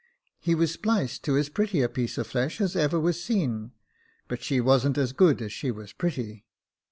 He was spliced to as pretty a piece of flesh as ever was seen, but she wasn't as good as she was pretty.